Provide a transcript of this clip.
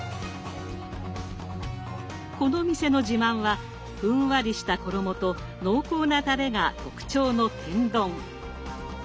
このお店の自慢はふんわりした衣と濃厚なたれが特徴の天丼。